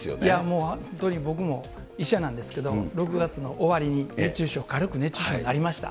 もう本当に僕も医者なんですけど、６月の終わりに熱中症、軽く熱中症になりました。